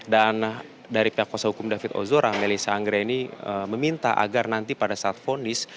dan dari pihak kosa hukum david ozora melissa anggere ini meminta agar nanti pada saat vonis